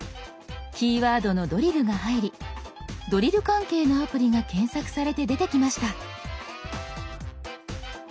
キーワードの「ドリル」が入りドリル関係のアプリが検索されて出てきました。